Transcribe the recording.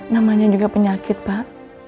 namanya juga penyakit pak